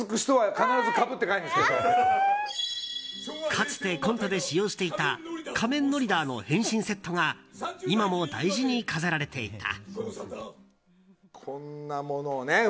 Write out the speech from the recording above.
かつてコントで使用していた仮面ノリダーの変身セットが今も大事に飾られていた。